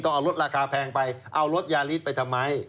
เอารถราคาแพงไปเอารถยาริสไปทำไม